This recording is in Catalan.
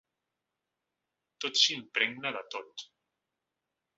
“Tot s’impregna de tot”